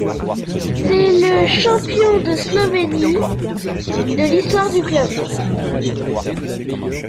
C'est le de champion de Slovénie de l'histoire du club.